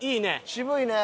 渋いね。